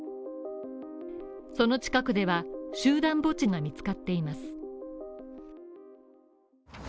その近くでは、集団墓地が見つかっています。